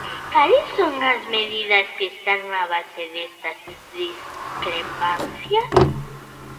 Cales son as medidas que están na base destas discrepancias?